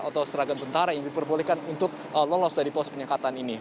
atau seragam tentara yang diperbolehkan untuk lolos dari pos penyekatan ini